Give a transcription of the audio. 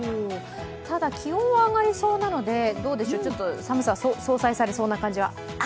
ただ、気温は上がりそうなので、寒さが相殺されそうな感じは？